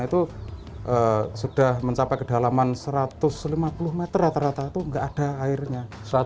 itu sudah mencapai kedalaman satu ratus lima puluh meter rata rata itu nggak ada airnya